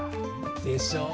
でしょ？